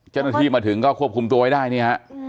เจ้าหน้าที่มาถึงก็ควบคุมตัวไว้ได้นี่ฮะ